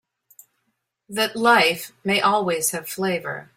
That life may always have flavor.